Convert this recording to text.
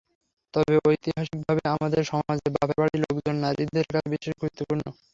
তবে ঐতিহাসিকভাবে আমাদের সমাজে বাপের বাড়ির লোকজন নারীদের কাছে বিশেষ গুরুত্বপূর্ণ।